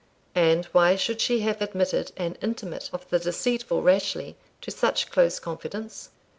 And why should she have admitted an intimate of the deceitful Rashleigh to such close confidence?